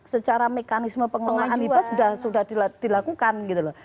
secara mekanisme pengelolaan limbah sudah dilakukan gitu loh